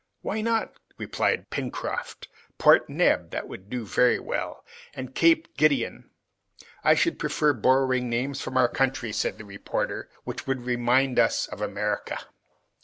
"Why not?" replied Pencroft. "Port Neb, that would do very well! And Cape Gideon " "I should prefer borrowing names from our country," said the reporter, "which would remind us of America."